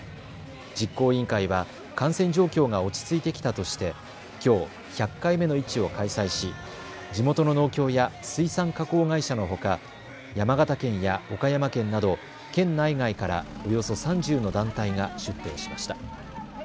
実行委員会は感染状況が落ち着いてきたとしてきょう、１００回目の市を開催し地元の農協や水産加工会社のほか山形県や岡山県など県内外からおよそ３０の団体が出店しました。